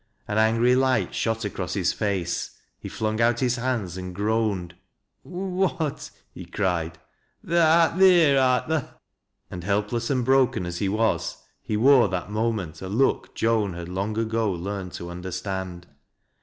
An angry light shot across his face. He flung out his hands and groaned : "What!" he cried, «tha art theer, art tha? " and help less and broken as he was, he wore that moment a look Joan had long ago learned to understand.